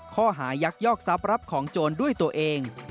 ข้อหายักยอกทรัพย์รับของโจรด้วยตัวเอง